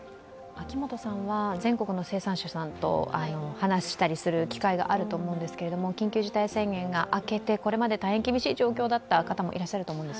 全国の生産者さんと話をしたりする機会があると思いますが緊急事態宣言があけて、これまで大変厳しい状況だった方もいらっしゃると思うんです。